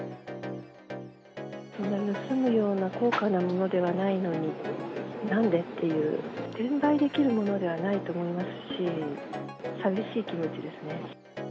盗むような高価なものではないのに、なんでっていう、転売できるものではないと思いますし。